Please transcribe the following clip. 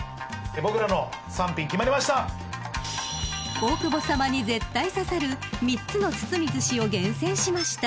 ［大久保さまに絶対刺さる３つの包みずしを厳選しました］